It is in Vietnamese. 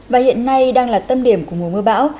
và hiện nay đang là tâm điểm của mùa mưa bão